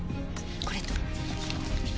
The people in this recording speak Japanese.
これと。